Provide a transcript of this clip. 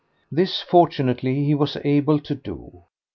This, fortunately, he was able to do.